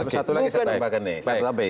satu lagi saya pertanyaan pak ganesh